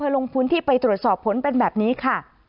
ลงพื้นที่ไปตรวจสอบผลเป็นแบบนี้ค่ะ